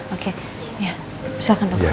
oke ya silahkan dokter